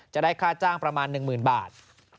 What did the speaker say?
จะได้ค่าจ้างประมาณ๑๐๐๐บาท